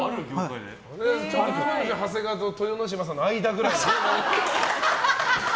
長谷川と豊ノ島さんの間くらいの。